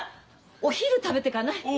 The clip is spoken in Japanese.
お昼食べてかない？